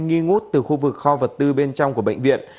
nghi ngút từ khu vực kho vật tư bên trong của bệnh viện